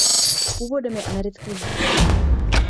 Původem je americký Žid.